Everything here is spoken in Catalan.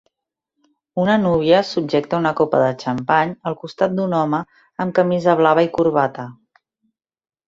Una núvia subjecta una copa de xampany al costat d'un home amb camisa blava i corbata.